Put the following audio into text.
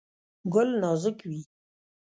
ګل نازک وي.